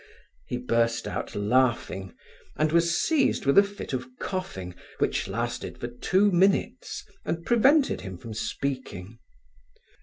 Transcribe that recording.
He he!" He burst out laughing, and was seized with a fit of coughing which lasted for two minutes and prevented him from speaking.